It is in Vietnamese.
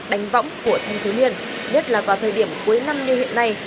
đánh võng của thành phố miên nhất là vào thời điểm cuối năm như hiện nay